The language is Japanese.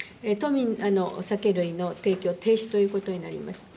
酒類の提供停止ということになります。